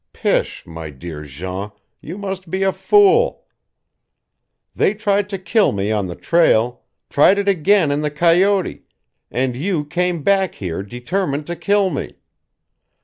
Pish, my dear Jean, you must be a fool. They tried to kill me on the trail, tried it again in the coyote, and you came back here determined to kill me.